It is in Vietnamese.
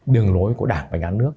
đường lối của đảng và nhà nước